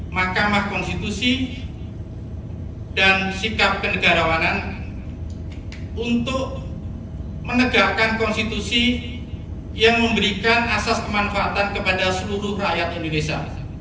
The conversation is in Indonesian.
mahkamah konstitusi dan sikap kenegarawanan untuk menegakkan konstitusi yang memberikan asas kemanfaatan kepada seluruh rakyat indonesia